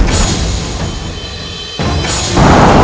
kita harus menstop begini